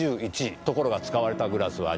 ところが使われたグラスは２２。